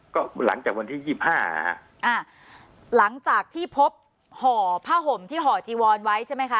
ก็หลังจากวันที่ยี่สิบห้าฮะอ่าหลังจากที่พบห่อผ้าห่มที่ห่อจีวอนไว้ใช่ไหมคะ